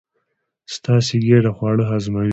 ستاسې ګېډه خواړه هضموي.